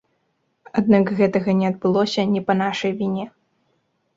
Аднак гэтага не адбылося не па нашай віне.